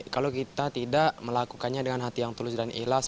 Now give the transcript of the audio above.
kalau kita tidak melakukannya dengan hati yang tulus dan ikhlas